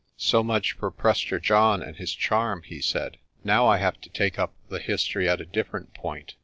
"So much for Prester John and his charm," he said. "Now I have to take up the history at a different point.